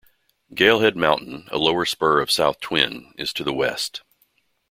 Galehead Mountain, a lower spur of South Twin, is to the west.